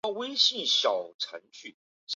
南海殿遗址的历史年代为卡约文化。